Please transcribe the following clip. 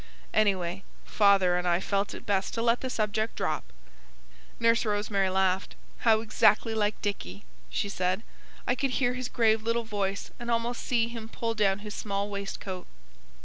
Anyway father and I felt it best to let the subject drop.'" Nurse Rosemary laughed. "How exactly like Dicky," she said. "I could hear his grave little voice, and almost see him pull down his small waistcoat!"